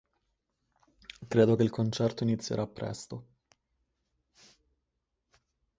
Credo che il concerto inizierà presto.